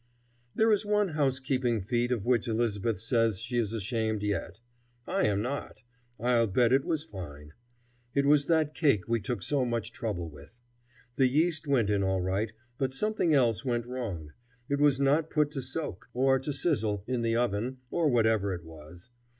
There is one housekeeping feat of which Elisabeth says she is ashamed yet. I am not. I'll bet it was fine. It was that cake we took so much trouble with. The yeast went in all right, but something else went wrong. It was not put to soak, or to sizzle, in the oven, or whatever it was.